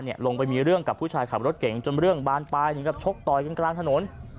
ลงไปมีเรื่องกับผู้ชายขับรถเก่งจนเรื่องบานปลายถึงกับชกต่อยกันกลางถนน